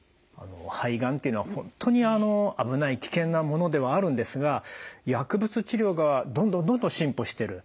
肺がんっていうのは本当にあの危ない危険なものではあるんですが薬物治療がどんどんどんどん進歩してる。